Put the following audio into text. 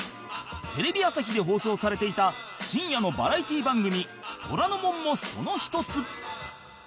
テレビ朝日で放送されていた深夜のバラエティー番組『虎の門』もその一つ